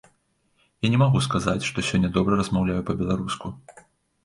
Я не магу сказаць, што сёння добра размаўляю па-беларуску.